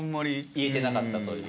言えてなかったという。